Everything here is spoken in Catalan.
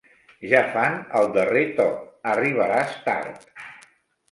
Ja fan el darrer toc: arribaràs tard.